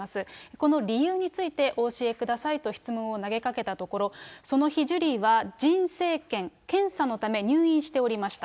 この理由についてお教えくださいと質問を投げかけたところ、その日、ジュリーは腎生検、検査のため入院しておりました。